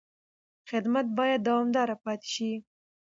خدمت باید دوامداره پاتې شي.